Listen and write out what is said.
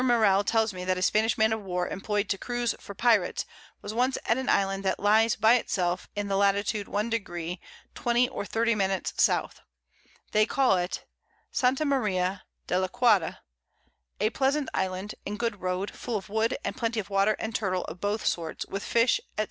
Morell tells me, that a Spanish Man of War employed to cruize for Pyrates, was once at an Island that lies by it self in the Lat. 1°. 20 or 30´´. S. They call it S. Maria de l'Aquada, a pleasant Island and good Road, full of Wood, and Plenty of Water and Turtle, of both sorts, with Fish, _&c.